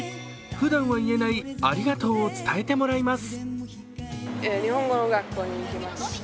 ふだんは言えない、ありがとうを伝えてもらいます。